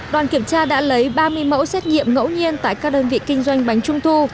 đoàn kiểm tra đã lấy ba mươi mẫu xét nghiệm ngẫu nhiên tại các đơn vị kinh doanh bánh trung thu